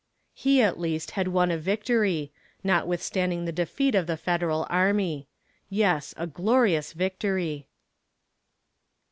He at least had won a victory notwithstanding the defeat of the federal army. Yes, a glorious victory.